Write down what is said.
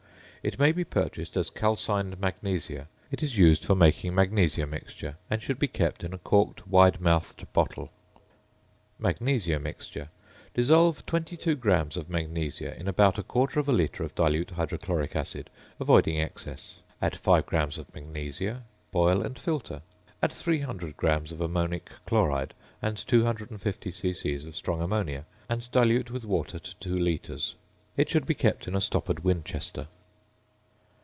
It may be purchased as "calcined magnesia." It is used for making "magnesia mixture," and should be kept in a corked wide mouthed bottle. "~Magnesia Mixture.~" Dissolve 22 grams of magnesia in about a quarter of a litre of dilute hydrochloric acid, avoiding excess. Add 5 grams of magnesia, boil, and filter. Add 300 grams of ammonic chloride, and 250 c.c. of strong ammonia; and dilute with water to 2 litres. It should be kept in a stoppered winchester.